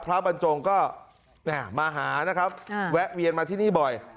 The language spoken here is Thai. บรรจงก็มาหานะครับแวะเวียนมาที่นี่บ่อย